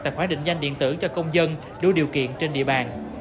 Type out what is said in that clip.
tài khoản định danh điện tử cho công dân đủ điều kiện trên địa bàn